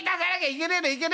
いけねえの？